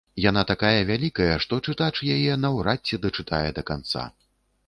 Яна такая вялікая, што чытач яе наўрад ці дачытае да канца.